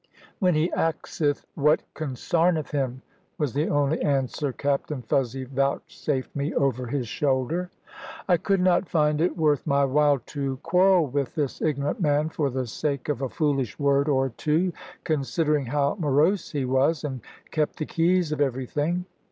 "When he axeth what consarneth him," was the only answer Captain Fuzzy vouchsafed me over his shoulder. I could not find it worth my while to quarrel with this ignorant man for the sake of a foolish word or two, considering how morose he was, and kept the keys of everything.